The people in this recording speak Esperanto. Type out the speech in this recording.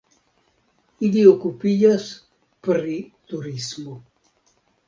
Ili okupiĝas pri turismo.